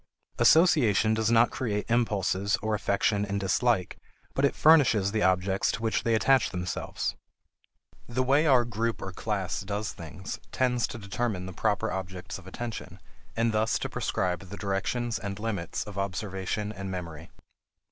Association does not create impulses or affection and dislike, but it furnishes the objects to which they attach themselves. The way our group or class does things tends to determine the proper objects of attention, and thus to prescribe the directions and limits of observation and memory.